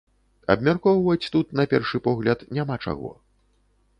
Абмяркоўваць тут, на першы погляд, няма чаго.